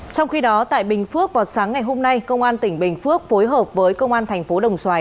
trong khi đó tại bình phước vào sáng ngày hôm nay công an tỉnh bình phước phối hợp với công an thành phố đồng xoài